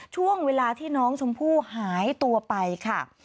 ช่วงเวลาที่น้องชมพู่หายตัวไปค่ะ